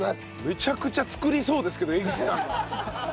めちゃくちゃ作りそうですけど江口さんが。